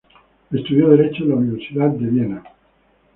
Estudió derecho en la Universidad de Viena.